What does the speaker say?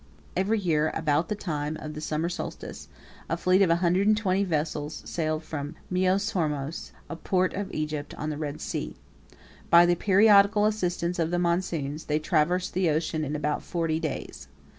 Every year, about the time of the summer solstice, a fleet of a hundred and twenty vessels sailed from Myos hormos, a port of Egypt, on the Red Sea. By the periodical assistance of the monsoons, they traversed the ocean in about forty days.